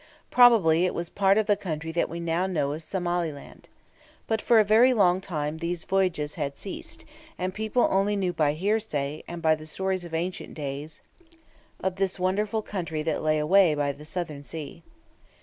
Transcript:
Probably it was part of the country that we now know as Somaliland. But for a very long time these voyages had ceased, and people only knew by hearsay, and by the stories of ancient days, of this wonderful country that lay away by the Southern Sea.